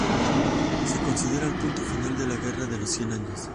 Se considera el punto final de la Guerra de los Cien Años.